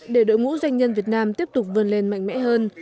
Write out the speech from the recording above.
để đội ngũ doanh nhân việt nam tiếp tục vươn lên mạnh mẽ hơn